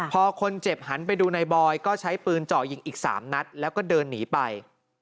พอคนเจ็บหันไปดูนายบอยก็ใช้ปืนเจาะยิงอีก๓นัดแล้วก็เดินหนีไป